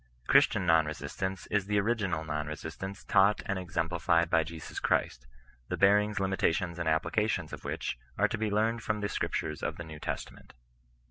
Christian non resistance is the original non resistance taught and exemplified by Jesus Christ ; the bearings, limitations, and applications of which are to be learned from the Scriptures of the New Testament.